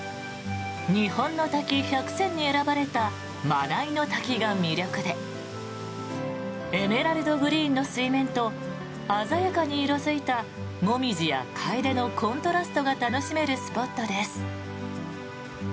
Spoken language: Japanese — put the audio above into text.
日本の滝１００選に選ばれた真名井の滝が魅力でエメラルドグリーンの水面と鮮やかに色付いたモミジやカエデのコントラストが楽しめるスポットです。